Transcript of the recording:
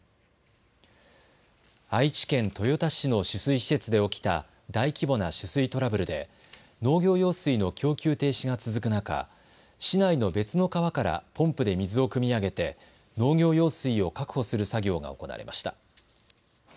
愛知県豊田市の取水施設で起きた大規模な取水トラブルで農業用水の供給停止が続く中、市内の別の川からポンプで水をくみ上げて農業用水を確保する作業が行われました。